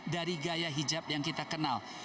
dari gaya hijab yang kita kenal